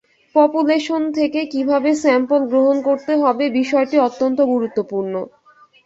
Population থেকে কিভাবে sample গ্রহন করতে হবে বিষয়টি অত্যন্ত গুরুত্বপূর্ণ।